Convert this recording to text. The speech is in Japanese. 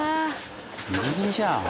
ギリギリじゃん。